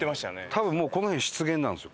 多分もうこの辺湿原なんですよ。